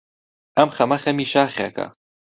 ئەم خەمە خەمی شاخێکە،